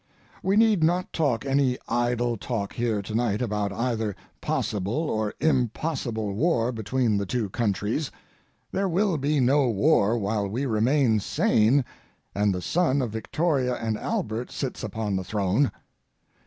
We need not talk any idle talk here to night about either possible or impossible war between the two countries; there will be no war while we remain sane and the son of Victoria and Albert sits upon the throne.